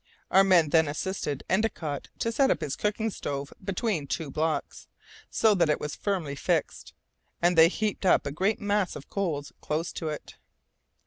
Our men then assisted Endicott to set up his cooking stove between two blocks, so that it was firmly fixed, and they heaped up a great mass of coals close to it.